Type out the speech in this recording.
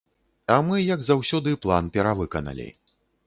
А мы, як заўсёды, план перавыканалі.